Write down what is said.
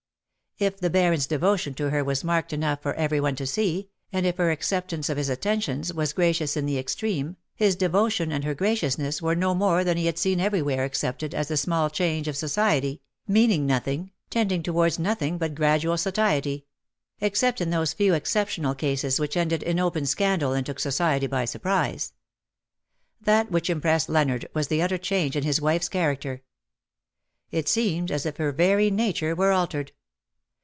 ^'' If theBaron^s devo tion to her was marked enough for every one to see, and if her acceptance of his attentions was gracious in the extreme, his devotion and her graciousness were no more than he had seen everywhere accepted as the small change of society, meaning nothing, tending towards nothing but gradual satiety ; except in those few exceptional cases which ended in open scandal and took society by surprise. That which impressed Leonard was the utter change in his wife's character. It seemed as if her very nature were altered.